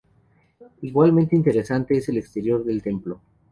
Igualmente interesante es el exterior del templo.